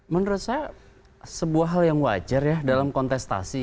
menurut saya sebuah hal yang wajar ya dalam kontestasi